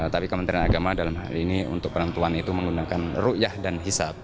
tapi kementerian agama dalam hal ini untuk perempuan itu menggunakan ru'yah dan hisab